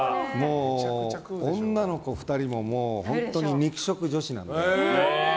女の子２人も本当に肉食女子なので。